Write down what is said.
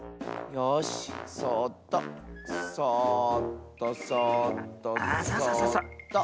よしそっとそっとそっとそっと。